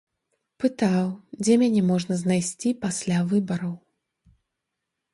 Пытаў, дзе мяне можна знайсці пасля выбараў.